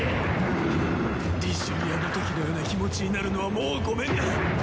リシュリアのときのような気持ちになるのはもうごめんだ。